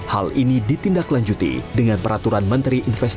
hal ini ditindaklanjuti dengan peraturan menteri investasi